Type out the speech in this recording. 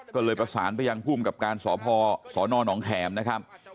ก็เลยประสานไปยังพุ่มกับการสอบพ่อสอนอนองแขมนะครับ